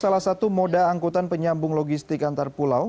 salah satu moda angkutan penyambung logistik antar pulau